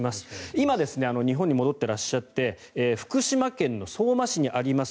今、日本に戻っていらっしゃって福島県相馬市にあります